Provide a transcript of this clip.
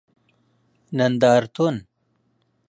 نندارتون